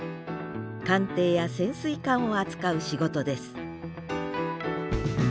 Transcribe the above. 艦艇や潜水艦を扱う仕事です